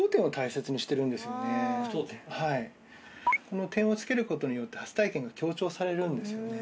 この点を付けることによって「初体験」が強調されるんですよね。